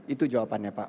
itu jawabannya pak